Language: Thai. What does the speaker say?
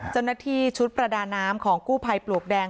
เจ้าหน้าที่ชุดประดาน้ำของกู้ภัยปลวกแดง